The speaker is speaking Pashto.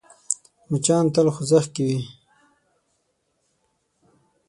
مچان تل خوځښت کې وي